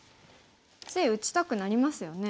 つい打ちたくなりますよね。